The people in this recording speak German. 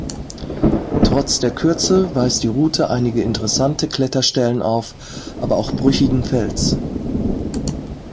Trotz der Kürze weist die Route einige interessante Kletterstellen auf, aber auch brüchigen Fels.